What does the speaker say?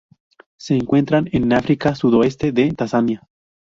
Se encuentran en África: sudoeste de Tanzania.